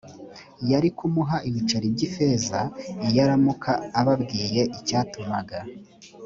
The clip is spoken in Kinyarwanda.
yari kumuha ibiceri by ifeza iyo aramuka ababwiye icyatumaga